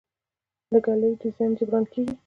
د ږلۍ د زیان جبران کیږي؟